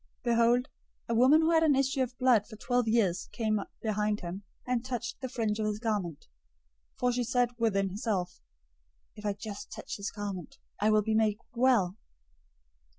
009:020 Behold, a woman who had an issue of blood for twelve years came behind him, and touched the fringe{or, tassel} of his garment; 009:021 for she said within herself, "If I just touch his garment, I will be made well."